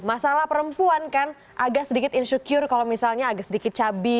masalah perempuan kan agak sedikit insecure kalau misalnya agak sedikit cabi